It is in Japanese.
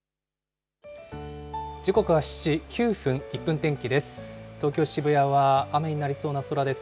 時刻は７時９分、１分天気です。